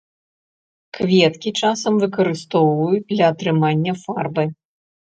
Кветкі часам выкарыстоўваюць для атрымання фарбы.